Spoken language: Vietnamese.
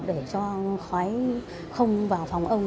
để cho khói không vào phòng ông